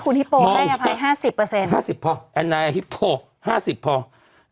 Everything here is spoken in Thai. ในขณะที่คุณฮิปโปให้อภัย๕๐